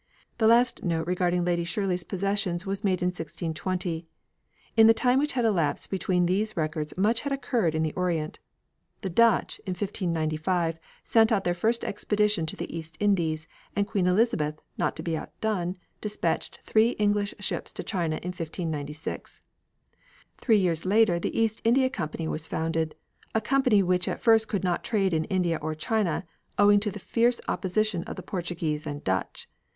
The last note regarding Lady Shirley's possessions was made in 1620. In the time which had elapsed between these records much had occurred in the Orient. The Dutch, in 1595, sent out their first expedition to the East Indies, and Queen Elizabeth, not to be outdone, despatched three English ships to China in 1596. Three years later the East India Company was founded, a company which at first could not trade in India or China owing to the fierce opposition of the Portuguese and Dutch.